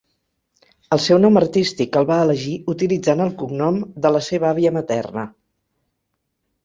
El seu nom artístic el va elegir utilitzant el cognom de la seva àvia materna.